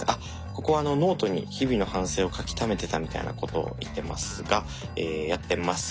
ここはノートに日々の反省を書きためてたみたいなことを言ってますがやってません。